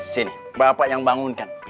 sini bapak yang bangunkan